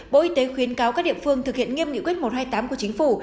bộ y tế khuyến cáo các địa phương thực hiện nghiêm nghị quyết một trăm hai mươi tám của chính phủ